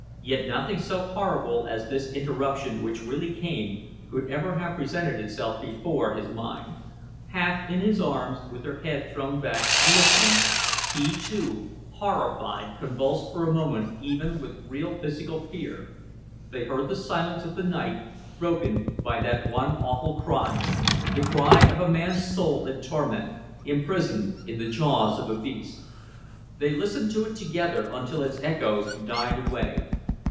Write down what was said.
Yet nothing so horrible as this interruption which really came could ever have presented itself before his mind. Half in his arms, with her head thrown back, listening he, too, horrified, convulsed for a moment even with real physical fear they heard the silence of the night broken by that one awful cry, the cry of a man's soul in torment, imprisoned in the jaws of a beast. They listened to it together until its echoes died away.